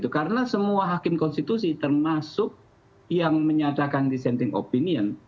karena semua hakim konstitusi termasuk yang menyatakan dissenting opinion